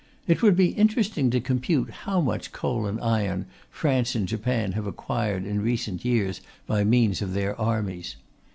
It would be interesting to compute how much coal and iron France and Japan have acquired in recent years by means of their armies.